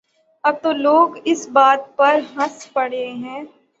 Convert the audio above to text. اب تو لوگ اس بات پر ہنس پڑتے ہیں۔